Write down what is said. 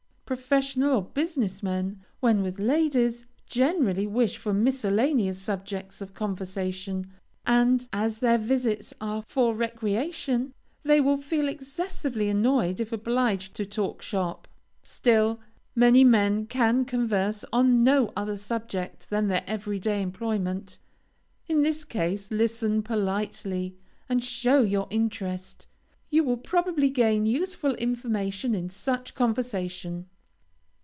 Professional or business men, when with ladies, generally wish for miscellaneous subjects of conversation, and, as their visits are for recreation, they will feel excessively annoyed if obliged to "talk shop." Still many men can converse on no other subject than their every day employment. In this case listen politely, and show your interest. You will probably gain useful information in such conversation.